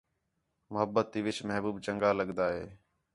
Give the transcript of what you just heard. محبت تی وِِچ محبو ب چَنڳا لڳدا ہے